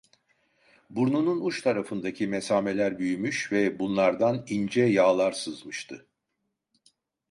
Burnunun uç tarafındaki mesameler büyümüş ve bunlardan ince yağlar sızmıştı.